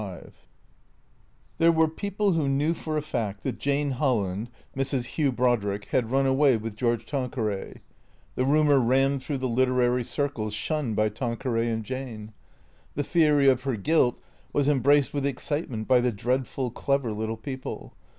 LXV THERE were people who knew for a fact that Jane Holland (Mrs. Hugh Brodrick) had run away with George Tan queray. The rumour ran through the literary circles shunned by Tanqueray and Jane. The theory of her guilt was embraced with excitement by the dreadful, clever little people.